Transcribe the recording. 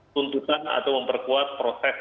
tuntutan atau memperkuat proses